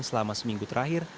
selama seminggu terakhir